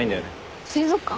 水族館？